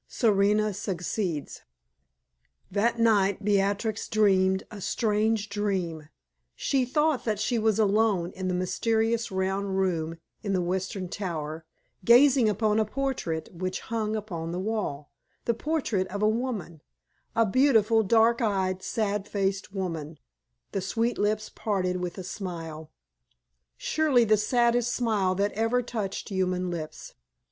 SERENA SUCCEEDS. That night Beatrix dreamed a strange dream. She thought that she was alone in the mysterious round room in the western tower, gazing upon a portrait which hung upon the wall the portrait of a woman a beautiful, dark eyed, sad faced woman, the sweet lips parted with a smile surely the saddest smile that ever touched human lips.